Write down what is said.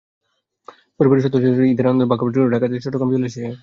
পরিবারের সদস্যদের সঙ্গে ঈদের আনন্দ ভাগাভাগি করতে ঢাকা থেকে চট্টগ্রাম এসেছিলেন।